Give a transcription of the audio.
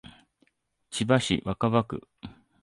千葉市若葉区